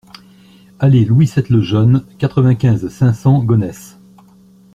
Allée Louis sept Le Jeune, quatre-vingt-quinze, cinq cents Gonesse